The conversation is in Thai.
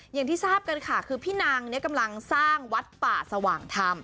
อย่างที่ทราบกันค่ะคือพี่นางกำลังสร้างวัดป่าสว่างธรรม